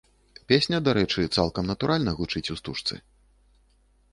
Песня, дарэчы, цалкам натуральна гучыць у стужцы.